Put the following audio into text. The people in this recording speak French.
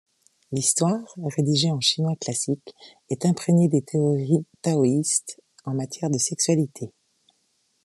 L'histoire, rédigée en chinois classique, est imprégnée des théories taoïstes en matière de sexualité.